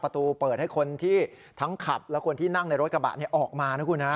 เปิดให้คนที่ทั้งขับและคนที่นั่งในรถกระบะออกมานะคุณฮะ